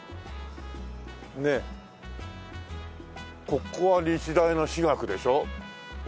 ここは日大の歯学でしょ？